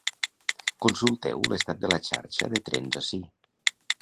Consulteu l’estat de la xarxa de trens ací.